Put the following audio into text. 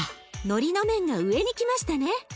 のりの面が上に来ましたね。